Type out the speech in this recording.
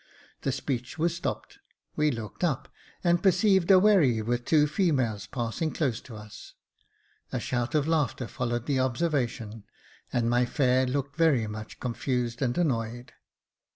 The speech was stopped ; we looked up, and perceived a wherry with two Jacob Faithful 253 females passing close to us, A shout of laughter followed the observation, and my fare looked very much confused and annoyed.